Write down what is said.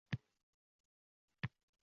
Ming baloga taqaldi.